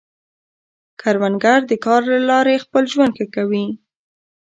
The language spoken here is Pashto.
کروندګر د کار له لارې خپل ژوند ښه کوي